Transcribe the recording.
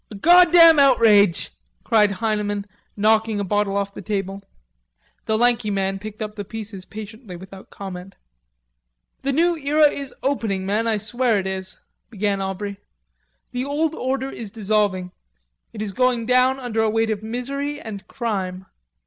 "A goddam outrage!" cried Heineman, knocking a bottle off the table. The lanky man picked up the pieces patiently, without comment. "The new era is opening, men, I swear it is..." began Aubrey. "The old order is dissolving. It is going down under a weight of misery and crime....